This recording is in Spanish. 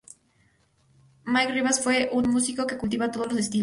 Mike Ribas fue un músico que cultivaba todos los estilos.